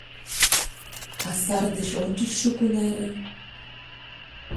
А сар деч ончычшо кунаре?..